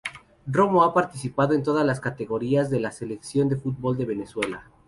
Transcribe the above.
Romo ha participado en todas las categorías de la selección de fútbol de Venezuela.